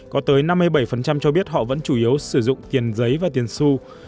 có tới năm mươi bảy cho biết họ vẫn chủ yếu sử dụng tiền giấy và tiền su